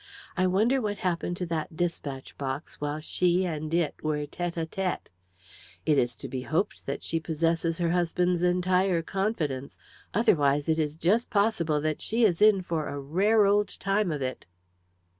I wonder what happened to that despatch box while she and it were tête à tête? It is to be hoped that she possesses her husband's entire confidence, otherwise it is just possible that she is in for a rare old time of it."